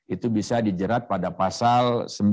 itu bisa dijerat pada pasal sembilan puluh